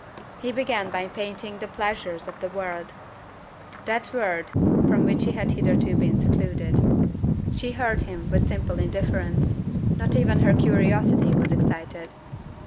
He began by painting the pleasures of the world, that world from which she had hitherto been secluded. She heard him with simple indifference: not even her curiosity was excited.